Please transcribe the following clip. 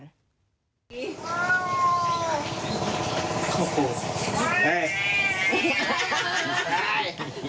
เฮ่ย